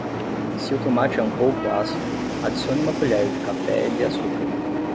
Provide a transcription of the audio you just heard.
Se o tomate é um pouco ácido, adicione uma colher de café de açúcar.